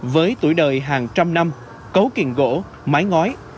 với tuổi đời hàng trăm năm cấu kiện gỗ mái ngói